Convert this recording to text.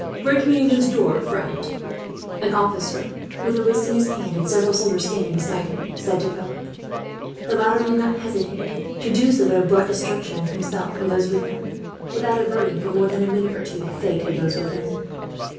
"Break me in this door, friend," an officer, with a list in his hand and several soldiers standing beside him, said to Philip. The latter did not hesitate. To do so would have brought destruction on himself and those with him; without averting, for more than a minute or two, the fate of those within.